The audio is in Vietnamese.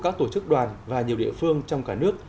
các tổ chức đoàn và nhiều địa phương trong cả nước